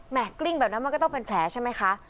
กลิ้งแบบนั้นมันก็ต้องเป็นแผลใช่ไหมคะ